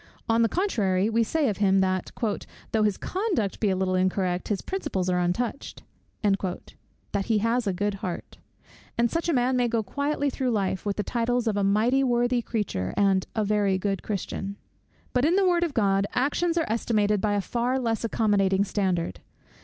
On the contrary, we say of him, that "though his conduct be a little incorrect, his principles are untouched;" that he has a good heart: and such a man may go quietly through life, with the titles of a mighty worthy creature, and a very good Christian. But in the Word of God actions are estimated by a far less accommodating standard.